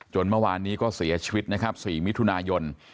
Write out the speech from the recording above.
เมื่อวานนี้ก็เสียชีวิตนะครับ๔มิถุนายน